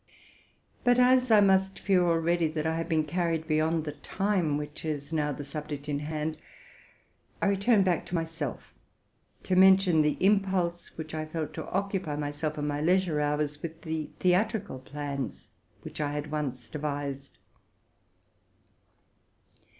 But, as I must fear already that I have been carried beyond the time which is now the subject in hand, I return to what concerns me, in order to mention the impulse which I felt to occupy myself in my leisure hours with the theatrical plans which I had once devised.